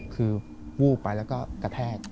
คือวูบไปแล้วก็กระแทก